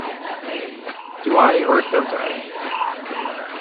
Do I, or don't I?